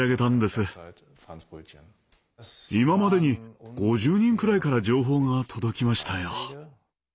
今までに５０人くらいから情報が届きましたよ。